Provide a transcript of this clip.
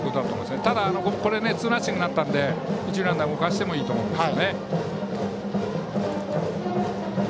ただツーナッシングになったので一塁ランナーを動かしてもいいと思います。